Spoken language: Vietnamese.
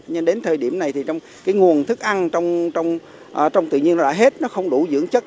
nhưng đến thời điểm này nguồn thức ăn trong tự nhiên đã hết không đủ dưỡng chất